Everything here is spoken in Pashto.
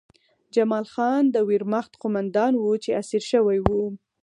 جمال خان د ویرماخت قومندان و چې اسیر شوی و